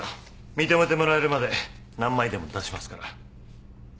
認めてもらえるまで何枚でも出しますから。